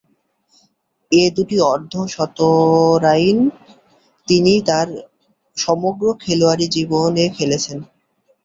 এ দুটি অর্ধ-শতরানই তিনি তার সমগ্র খেলোয়াড়ী জীবনে খেলেছেন।